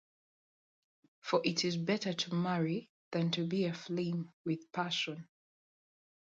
For it is better to marry than to be aflame with passion.